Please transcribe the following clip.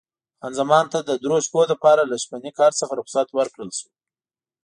خان زمان د درې شپو لپاره له شپني کار څخه رخصت ورکړل شوه.